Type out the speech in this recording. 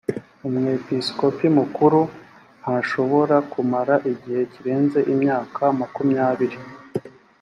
umwepisikopi mukuru ntashobora kumara igihe kirenze imyaka makumyabiri